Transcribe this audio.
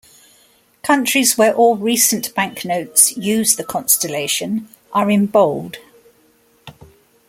Countries where all recent banknotes use the constellation are in bold.